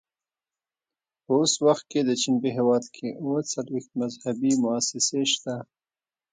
په اوس وخت کې د چین په هېواد کې اووه څلوېښت مذهبي مؤسسې شته.